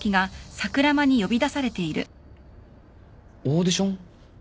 オーディション？